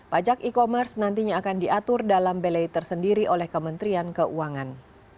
pajak e commerce nantinya akan diatur dalam belay tersendiri oleh kementerian keuangan